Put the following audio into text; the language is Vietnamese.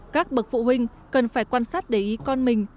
các bậc phụ huynh cần phải quan sát để ý con mình